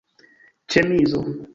ĉemizo